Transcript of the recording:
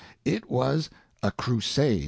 It was a crusade.